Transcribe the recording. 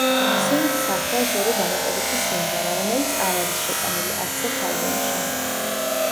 სინგლს ახლავს ორი დამატებითი სიმღერა, რომელიც არ არის შეტანილი არც ერთ ალბომში.